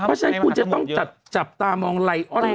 เพราะฉะนั้นคุณจะต้องจับตามองไลออนล็อกเนี่ย